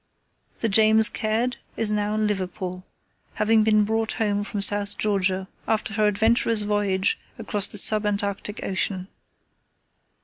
The James Caird is now in Liverpool, having been brought home from South Georgia after her adventurous voyage across the sub Antarctic ocean.